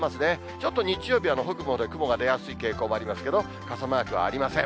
ちょっと日曜日は北部のほうで雲が出やすい傾向もありますけど、傘マークはありません。